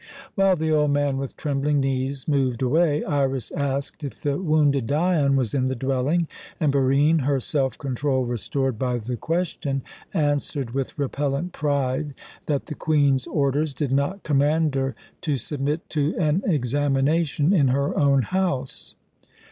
While the old man, with trembling knees, moved away, Iras asked if the wounded Dion was in the dwelling; and Barine, her self control restored by the question, answered, with repellent pride, that the Queen's orders did not command her to submit to an examination in her own house.